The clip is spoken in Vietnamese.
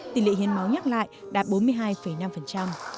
tỷ lệ hiến máu nhắc lại đạt bốn mươi hai năm